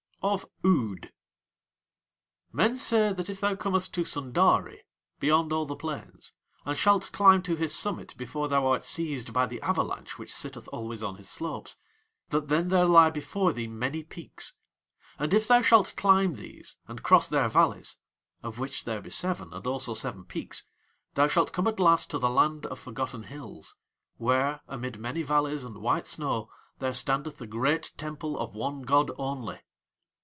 OF OOD Men say that if thou comest to Sundari, beyond all the plains, and shalt climb to his summit before thou art seized by the avalanche which sitteth always on his slopes, that then there lie before thee many peaks. And if thou shalt climb these and cross their valleys (of which there be seven and also seven peaks) thou shalt come at last to the land of forgotten hills, where amid many valleys and white snow there standeth the "Great Temple of One god Only."